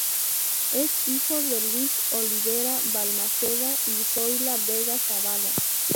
Es hijo de Luis Olivera Balmaceda y Zoila Vega Zavala.